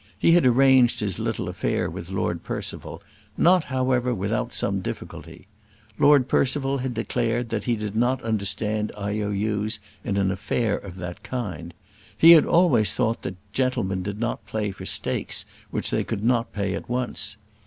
He had arranged his little affair with Lord Percival, not however without some difficulty. Lord Percival had declared he did not understand I.O.U.'s in an affair of that kind. He had always thought that gentlemen did not play for stakes which they could not pay at once.